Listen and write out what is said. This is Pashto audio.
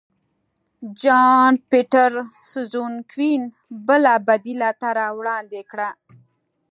جان پیټرسزونکوین بله بدیله طرحه وړاندې کړه.